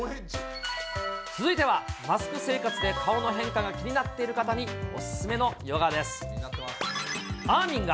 続いては、マスク生活で顔の変化が気になっている方にお勧めのヨガです。